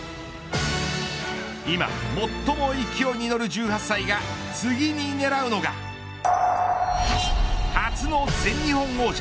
今、最も勢いにのる１８歳が次に狙うのが初の全日本王者。